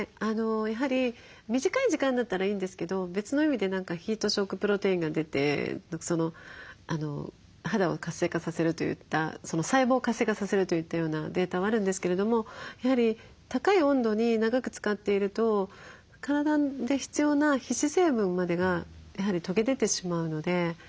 やはり短い時間だったらいいんですけど別の意味でヒートショックプロテインが出て肌を活性化させるといった細胞を活性化させるといったようなデータはあるんですけれどもやはり高い温度に長くつかっていると体で必要な皮脂成分までがやはり溶け出てしまうので。